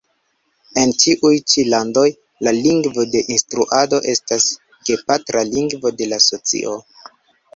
En tiuj ĉi landoj, la lingvo de instruado estas gepatra lingvo de la socio.